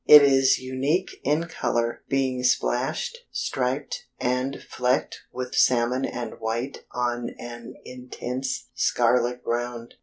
It is unique in color, being splashed, striped, and flecked with salmon and white on an intense scarlet ground.